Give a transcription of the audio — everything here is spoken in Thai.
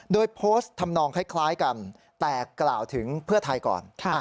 โดยโพสต์ทำนองคล้ายกันแต่กล่าวถึงเพื่อไทยก่อน